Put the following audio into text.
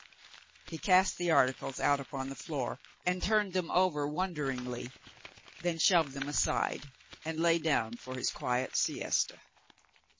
He cast the articles out upon the floor and turned them over wonderingly, then shoved them aside and lay down for his quiet siesta.